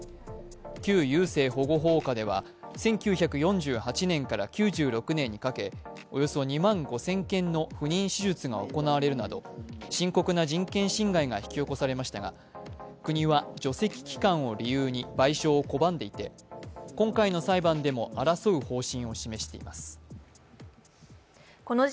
旧優生保護法下では１９４８年から９６年にかけおよそ２万５０００件の不妊手術が行われるなど深刻な人権侵害が引き起こされましたが国は除斥期間を理由に賠償を拒んでいて今回の裁判でも争う方針を示しています。